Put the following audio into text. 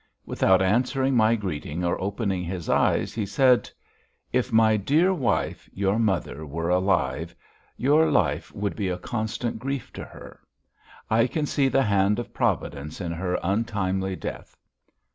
Without answering my greeting or opening his eyes, he said: "If my dear wife, your mother, were alive, your life would be a constant grief to her. I can see the hand of Providence in her untimely death.